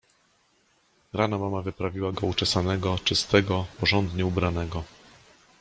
Rano mama wyprawiła go uczesanego, czystego, porządnie ubranego.